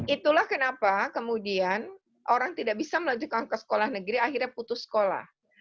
itulah kenapa kemudian orang tidak bisa melanjutkan ke sekolah negeri akhirnya putus sekolah